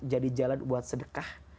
jadi jalan buat sedekah